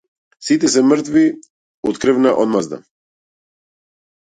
Сите се мртви од крвна одмазда.